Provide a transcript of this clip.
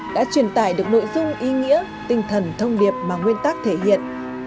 đã truyền tải được nội dung ý nghĩa tinh thần thông điệp bằng nguyên tác thể hiện